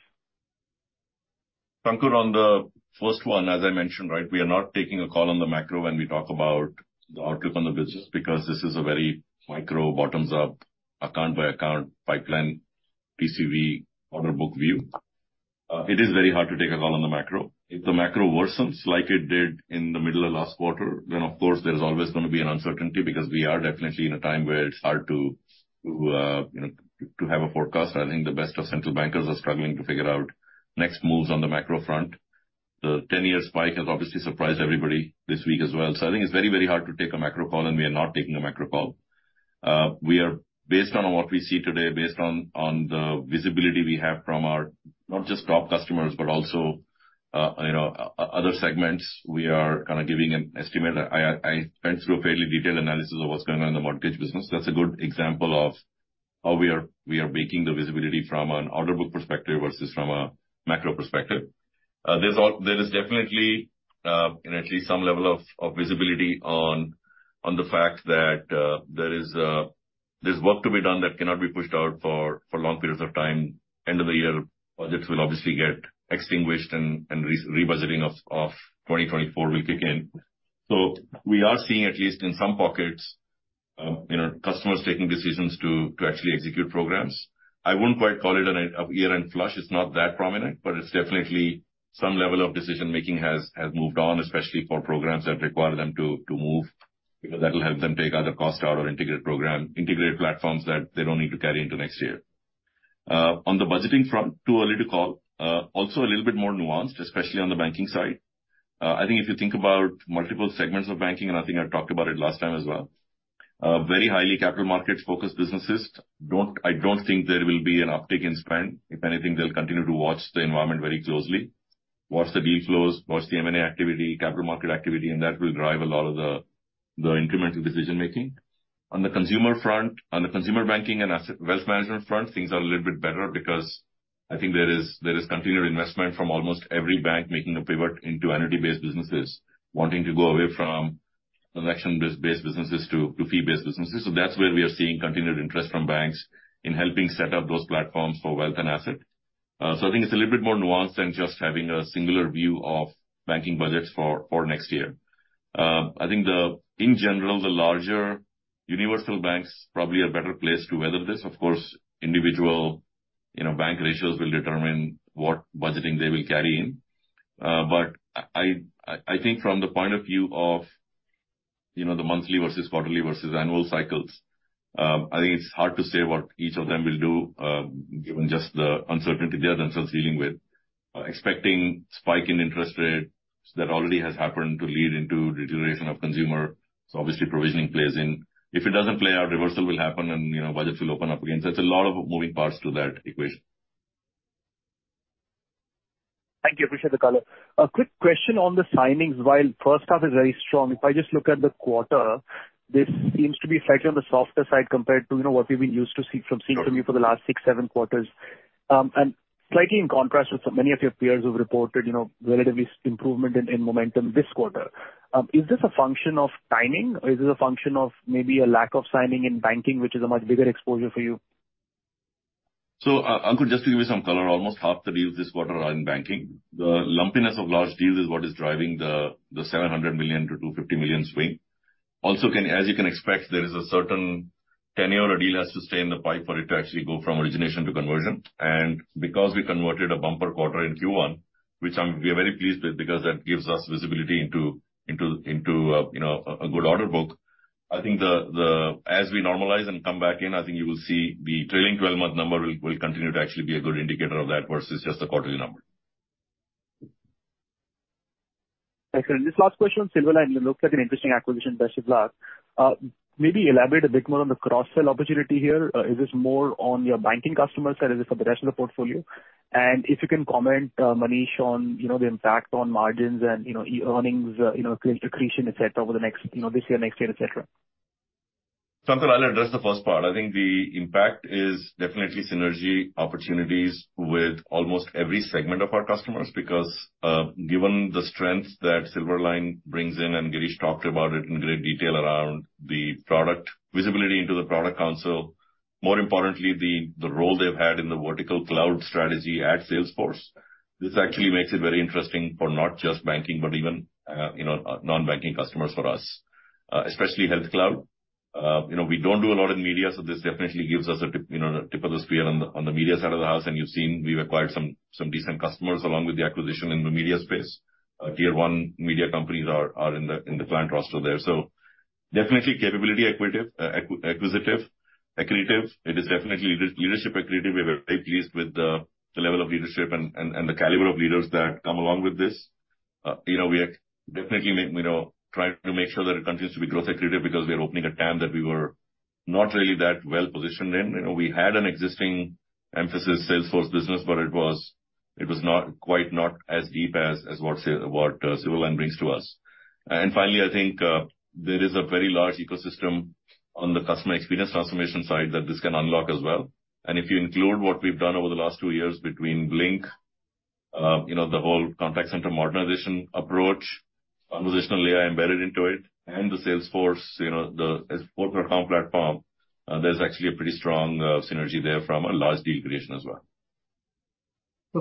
Ankur, on the first one, as I mentioned, right, we are not taking a call on the macro when we talk about the outlook on the business, because this is a very micro, bottoms-up, account-by-account, pipeline, TCV, order book view. It is very hard to take a call on the macro. If the macro worsens like it did in the middle of last quarter, then of course there's always gonna be an uncertainty, because we are definitely in a time where it's hard to, you know, to have a forecast. I think the best of central bankers are struggling to figure out next moves on the macro front. The 10-year spike has obviously surprised everybody this week as well. I think it's very, very hard to take a macro call, and we are not taking a macro call. We are... Based on what we see today, based on the visibility we have from our not just top customers but also, you know, other segments, we are kind of giving an estimate. I went through a fairly detailed analysis of what's going on in the mortgage business. That's a good example of how we are making the visibility from an order book perspective versus from a macro perspective. There is definitely and at least some level of visibility on the fact that there is work to be done that cannot be pushed out for long periods of time. End of the year, budgets will obviously get extinguished and re-budgeting of 2024 will kick in. We are seeing, at least in some pockets, you know, customers taking decisions to actually execute programs. I wouldn't quite call it a year-end flush. It's not that prominent, but it's definitely some level of decision-making has moved on, especially for programs that require them to move, you know, that will help them take either cost out or integrate platforms that they don't need to carry into next year. On the budgeting front, too early to call. Also a little bit more nuanced, especially on the banking side. I think if you think about multiple segments of banking, and I think I talked about it last time as well, very highly capital markets focused businesses, I don't think there will be an uptick in spend. If anything, they'll continue to watch the environment very closely, watch the deal flows, watch the M&A activity, capital market activity, and that will drive a lot of the incremental decision-making. On the consumer front, on the consumer banking and asset, wealth management front, things are a little bit better because I think there is continued investment from almost every bank making a pivot into entity-based businesses, wanting to go away from transaction-based businesses to fee-based businesses. That's where we are seeing continued interest from banks in helping set up those platforms for wealth and asset. I think it's a little bit more nuanced than just having a singular view of banking budgets for next year. I think, in general, the larger universal banks probably are better placed to weather this. Of course, individual, you know, bank ratios will determine what budgeting they will carry in. I think from the point of view of, you know, the monthly versus quarterly versus annual cycles, I think it's hard to say what each of them will do, given just the uncertainty they are themselves dealing with. Expecting spike in interest rates that already has happened to lead into deterioration of consumer, so obviously provisioning plays in. If it doesn't play out, reversal will happen and, you know, budgets will open up again. It's a lot of moving parts to that equation. Thank you. Appreciate the color. A quick question on the signings. While first half is very strong, if I just look at the quarter, this seems to be slightly on the softer side compared to, you know, what we've been used to see from. Sure. From you for the last six, seven quarters, and slightly in contrast with so many of your peers who've reported, you know, relatively improvement in momentum this quarter, is this a function of timing, or is this a function of maybe a lack of signing in banking, which is a much bigger exposure for you? Ankur, just to give you some color, almost half the deals this quarter are in banking. The lumpiness of large deals is what is driving the $700 million-$250 million swing. Also, as you can expect, there is a certain tenure or deal has to stay in the pipe for it to actually go from origination to conversion. Because we converted a bumper quarter in Q1, which we are very pleased with, because that gives us visibility into, you know, a good order book. I think as we normalize and come back in, I think you will see the trailing 12-month number will continue to actually be a good indicator of that versus just the quarterly number. Okay. This last question on Silverline. It looks like an interesting acquisition, best of luck. Maybe elaborate a bit more on the cross-sell opportunity here. Is this more on your banking customers, or is it for the rest of the portfolio? If you can comment, Manish, on, you know, the impact on margins and, you know, earnings, you know, creation et cetera, over the next, you know, this year, next year, et cetera? Ankur, I'll address the first part. I think the impact is definitely synergy opportunities with almost every segment of our customers because given the strength that Silverline brings in, and Gireesh talked about it in great detail around the product visibility into the product council. More importantly, the role they've had in the vertical cloud strategy at Salesforce. This actually makes it very interesting for not just banking, but even, you know, non-banking customers for us, especially Health Cloud. You know, we don't do a lot of media, so this definitely gives us a tip, you know, tip of the spear on the media side of the house, and you've seen we've acquired some decent customers along with the acquisition in the media space. Tier one media companies are in the client roster there. Definitely capability accretive, acquisitive, accretive. It is definitely leadership accretive. We are very pleased with the level of leadership and the caliber of leaders that come along with this. You know, we are definitely, you know, trying to make sure that it continues to be growth accretive because we are opening a TAM that we were not really that well positioned in. You know, we had an existing Mphasis Salesforce business, but it was not quite as deep as what Silverline brings to us. Finally, I think there is a very large ecosystem on the customer experience transformation side that this can unlock as well. If you include what we've done over the last two years between Blink, you know, the whole contact center modernization approach, an additional layer embedded into it, and the Salesforce, you know, the S/4HANA platform, there's actually a pretty strong synergy there from a large deal creation as well.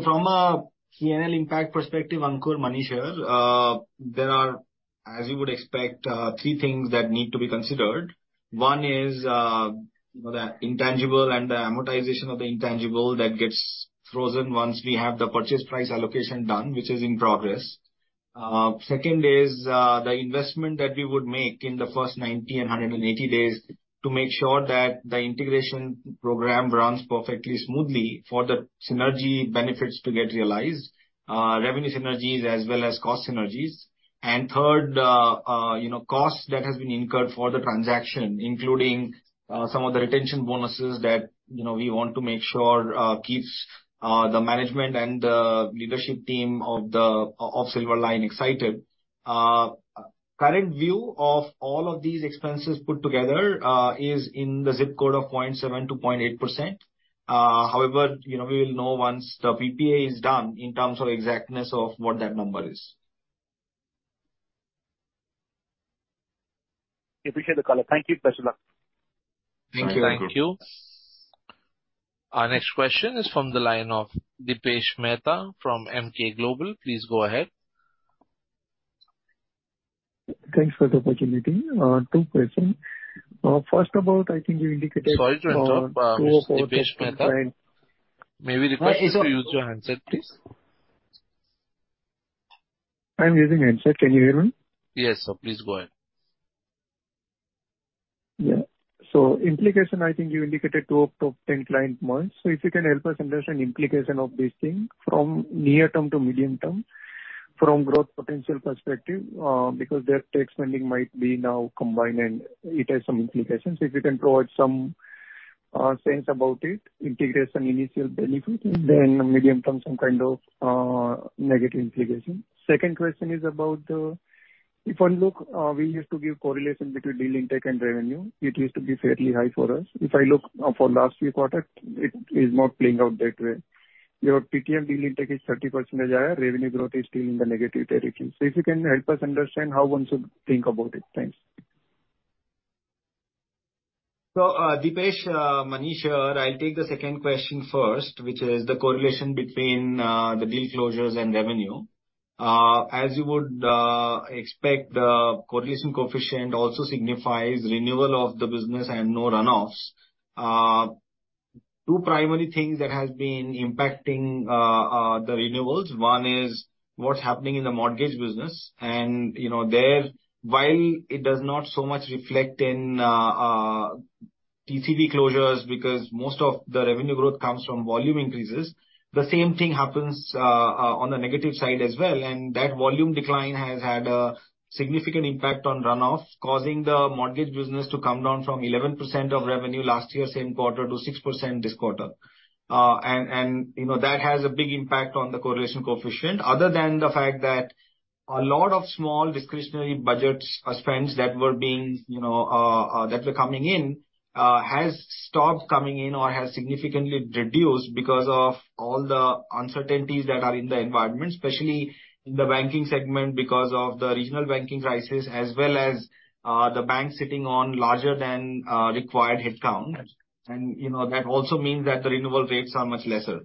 From a P&L impact perspective, Ankur, Manish here. There are, as you would expect, three things that need to be considered. One is, you know, the intangible and the amortization of the intangible that gets frozen once we have the purchase price allocation done, which is in progress. Second is the investment that we would make in the first 90 and 180 days to make sure that the integration program runs perfectly smoothly for the synergy benefits to get realized, revenue synergies as well as cost synergies. Third, you know, cost that has been incurred for the transaction, including some of the retention bonuses that, you know, we want to make sure keeps the management and the leadership team of Silverline excited. Current view of all of these expenses put together is in the zip code of 0.7%-0.8%. However, you know, we will know once the PPA is done in terms of exactness of what that number is. Appreciate the call. Thank you. Best of luck. Thank you. Thank you. Our next question is from the line of Dipesh Mehta from Emkay Global. Please go ahead. Thanks for the opportunity. Two question. First of all, I think you indicated. Sorry to interrupt, Dipesh Mehta. May we request you to use your handset, please? I'm using handset. Can you hear me? Yes, sir. Please go ahead. Yeah. Implication, I think you indicated two of top 10 client mergers. If you can help us understand implication of this thing from near-term to medium-term, from growth potential perspective, because their tech spending might be now combined, and it has some implications. If you can provide some sense about it, integration, initial benefits, then medium-term, some kind of negative implication. Second question is about, if I look, we used to give correlation between deal intake and revenue. It used to be fairly high for us. If I look for last few quarter, it is not playing out that way. Your TTM deal intake is 30% higher, revenue growth is still in the negative territory. If you can help us understand how one should think about it. Thanks. Dipesh, Manish here. I'll take the second question first, which is the correlation between the deal closures and revenue. As you would expect, the correlation coefficient also signifies renewal of the business and no runoffs. Two primary things that has been impacting the renewals. One is what's happening in the mortgage business, and, you know, there, while it does not so much reflect in TCV closures, because most of the revenue growth comes from volume increases, the same thing happens on the negative side as well. That volume decline has had a significant impact on runoffs, causing the mortgage business to come down from 11% of revenue last year, same quarter, to 6% this quarter. You know, that has a big impact on the correlation coefficient. Other than the fact that a lot of small discretionary budgets or spends that were being, you know, that were coming in, has stopped coming in or has significantly reduced because of all the uncertainties that are in the environment. Especially in the banking segment, because of the regional banking crisis as well as the bank sitting on larger than required headcount. You know, that also means that the renewal rates are much lesser.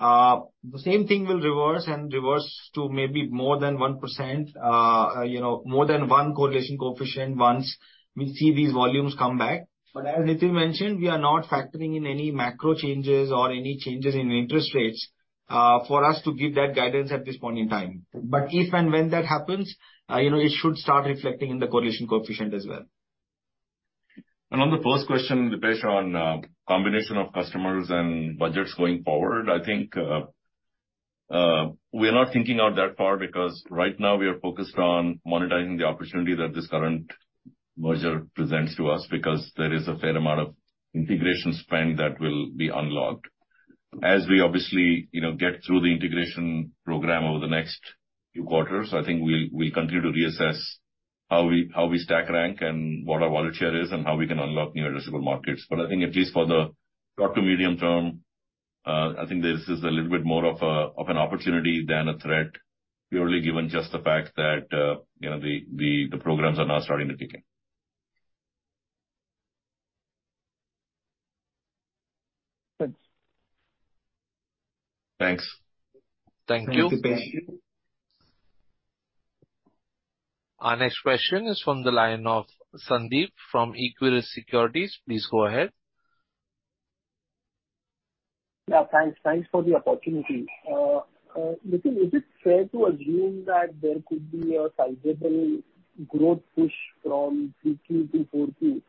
The same thing will reverse and reverse to maybe more than 1%, you know, more than one correlation coefficient once we see these volumes come back. As Nitin mentioned, we are not factoring in any macro changes or any changes in interest rates for us to give that guidance at this point in time. But if and when that happens, you know, it should start reflecting in the correlation coefficient as well. On the first question, Dipesh, on combination of customers and budgets going forward, I think we are not thinking out that far because right now we are focused on monetizing the opportunity that this current merger presents to us, because there is a fair amount of integration spend that will be unlocked. As we obviously, you know, get through the integration program over the next few quarters, I think we'll continue to reassess how we stack rank and what our wallet share is and how we can unlock new addressable markets. I think at least for the short to medium term, I think this is a little bit more of an opportunity than a threat, purely given just the fact that, you know, the programs are now starting to kick in. Good. Thanks. Thank you. Thank you. Our next question is from the line of Sandeep from Equirus Securities. Please go ahead. Yeah, thanks. Thanks for the opportunity. Nitin, is it fair to assume that there could be a sizable growth push from Q2 to Q4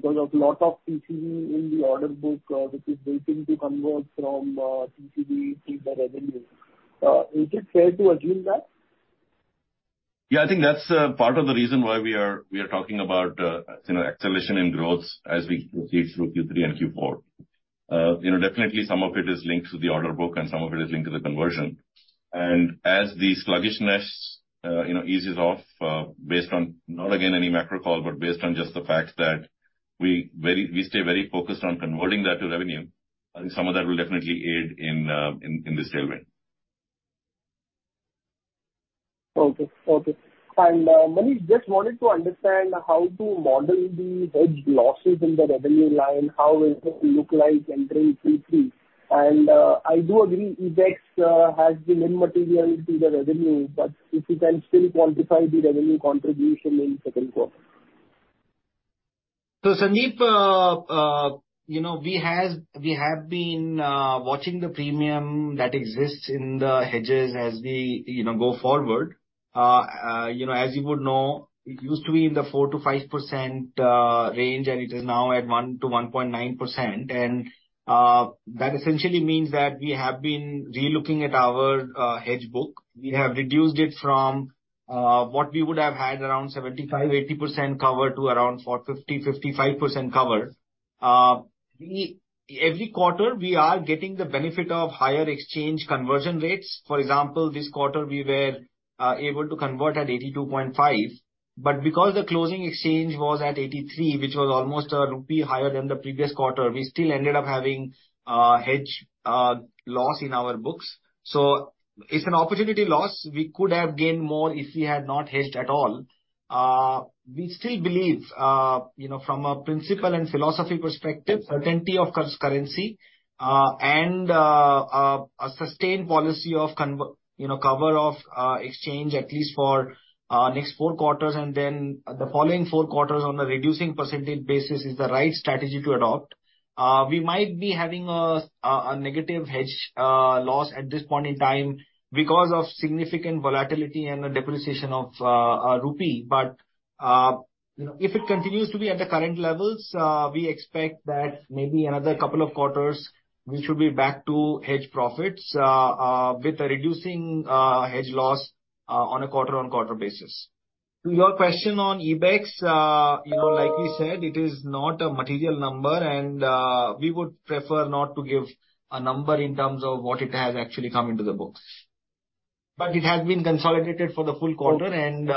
because of lot of TCV in the order book which is waiting to convert from TCV to the revenue? Is it fair to assume that? Yeah, I think that's part of the reason why we are talking about, you know, acceleration in growth as we proceed through Q3 and Q4. You know, definitely some of it is linked to the order book, and some of it is linked to the conversion. As the sluggishness, you know, eases off, based on not, again, any macro call, but based on just the fact that we stay very focused on converting that to revenue, I think some of that will definitely aid in the scale win. Okay. Okay. Manish, just wanted to understand how to model the hedge losses in the revenue line. How will it look like entering Q3? I do agree FX has been immaterial to the revenue, but if you can still quantify the revenue contribution in second quarter. Sandeep, you know, we have been watching the premium that exists in the hedges as we, you know, go forward. You know, as you would know, it used to be in the 4%-5% range, and it is now at 1%-1.9%. That essentially means that we have been relooking at our hedge book. We have reduced it from what we would have had around 75%-80% covered to around 40%, 50%, 55% covered. Every quarter, we are getting the benefit of higher exchange conversion rates. For example, this quarter, we were able to convert at 82.5. Because the closing exchange was at 83, which was almost INR 1 higher than the previous quarter, we still ended up having hedge loss in our books. It's an opportunity loss. We could have gained more if we had not hedged at all. We still believe, you know, from a principle and philosophy perspective, certainty of currency and a sustained policy of, you know, cover of exchange, at least for next four quarters, and then the following four quarters on a reducing percentage basis is the right strategy to adopt. We might be having a negative hedge loss at this point in time because of significant volatility and a depreciation of a rupee. If it continues to be at the current levels, we expect that maybe another couple of quarters, we should be back to hedge profits with a reducing hedge loss on a quarter-over-quarter basis. To your question on OpEx, you know, like we said, it is not a material number, and we would prefer not to give a number in terms of what it has actually come into the books. It has been consolidated for the full quarter, and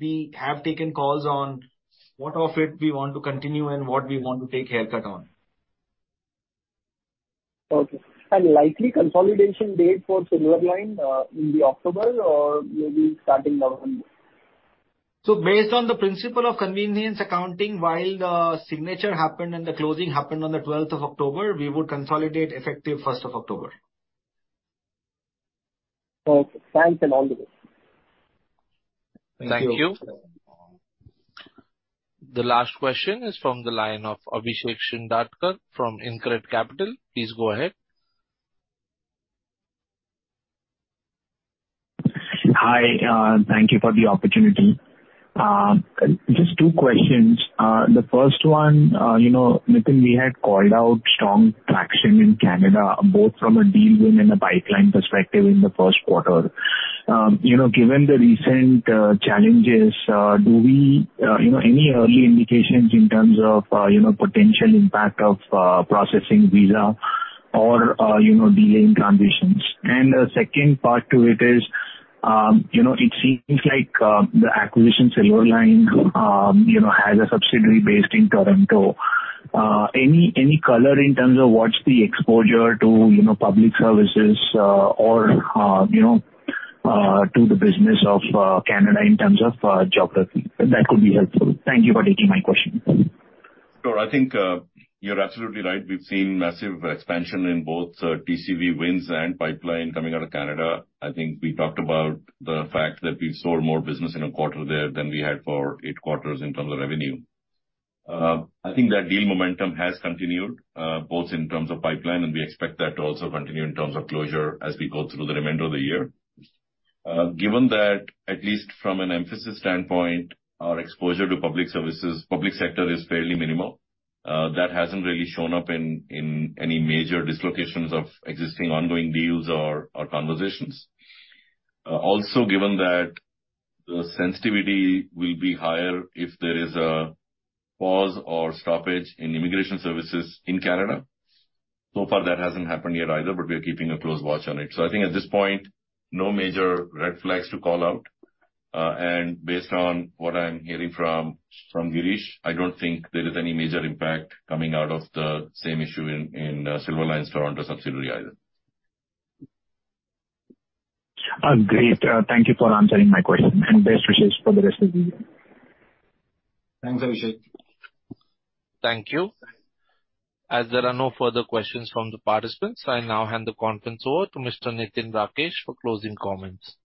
we have taken calls on what of it we want to continue and what we want to take haircut on. Okay. Likely consolidation date for Silverline will be October or maybe starting November? Based on the principle of convenience accounting, while the signature happened and the closing happened on the October 12th, we would consolidate effective October 1st. Okay. Thanks and all the best. Thank you. The last question is from the line of Abhishek Shindadkar from InCred Capital. Please go ahead. Hi, thank you for the opportunity. Just two questions. The first one, you know, Nitin, we had called out strong traction in Canada, both from a deal win and a pipeline perspective in the first quarter. You know, given the recent challenges, do we, you know, any early indications in terms of, you know, potential impact of processing visa or, you know, delay in transitions? The second part to it is, you know, it seems like the acquisition, Silverline, you know, has a subsidiary based in Toronto. Any color in terms of what's the exposure to, you know, public services or, you know, to the business of Canada in terms of geography? That could be helpful. Thank you for taking my question. Sure, I think you're absolutely right. We've seen massive expansion in both TCV wins and pipeline coming out of Canada. I think we talked about the fact that we sold more business in a quarter there than we had for eight quarters in terms of revenue. I think that deal momentum has continued, both in terms of pipeline, and we expect that to also continue in terms of closure as we go through the remainder of the year. Given that, at least from an Mphasis standpoint, our exposure to public services, public sector is fairly minimal. That hasn't really shown up in any major dislocations of existing ongoing deals or conversations. Also, given that the sensitivity will be higher if there is a pause or stoppage in immigration services in Canada. So far, that hasn't happened yet either, but we are keeping a close watch on it. I think at this point, no major red flags to call out. Based on what I'm hearing from Gireesh, I don't think there is any major impact coming out of the same issue in Silverline's Toronto subsidiary either. Great. Thank you for answering my question, and best wishes for the rest of the year. Thanks, Abhishek. Thank you. As there are no further questions from the participants, I now hand the conference over to Mr. Nitin Rakesh for closing comments.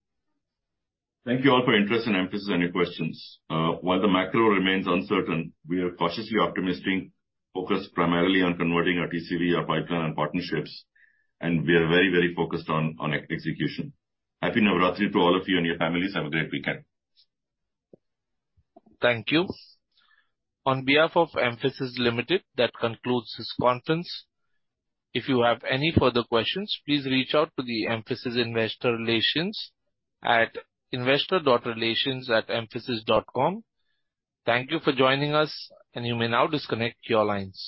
Thank you all for interest in Mphasis and your questions. While the macro remains uncertain, we are cautiously optimistic, focused primarily on converting our TCV, our pipeline, and partnerships, and we are very, very focused on execution. Happy Navratri to all of you and your families. Have a great weekend. Thank you. On behalf of Mphasis Limited, that concludes this conference. If you have any further questions, please reach out to the Mphasis Investor Relations at investor.relations@mphasis.com. Thank you for joining us, and you may now disconnect your lines.